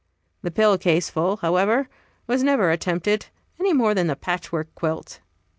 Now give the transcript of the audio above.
The pillow case full, however, was never attempted, any more than the patchwork quilt.